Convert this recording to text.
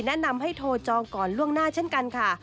แนะนำให้โทรจองก่อนล่วงหน้าเช่นกันค่ะ